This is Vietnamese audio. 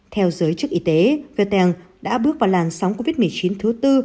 theo giới chức y tế kieu teng đã bước vào làn sóng covid một mươi chín thứ tư